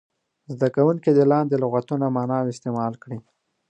زده کوونکي دې لاندې لغتونه معنا او استعمال کړي.